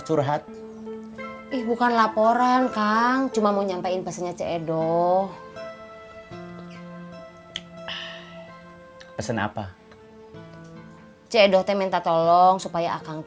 cik edo aku tahu aku akan berlangsung